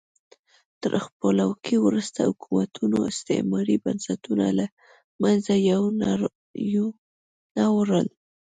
تر خپلواکۍ وروسته حکومتونو استعماري بنسټونه له منځه یو نه وړل.